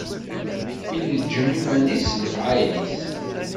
Ileǧǧem iman-is s lefɛayel-is.